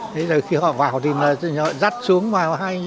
thế rồi khi họ vào thì họ dắt xuống vào